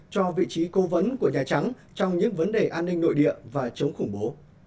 cho vị trí cố vấn của nhà trắng trong những vấn đề an ninh nội địa và chống khủng bố